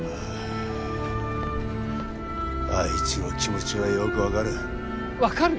あいつの気持ちはよく分かる分かる？